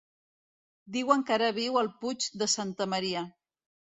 Diuen que ara viu al Puig de Santa Maria.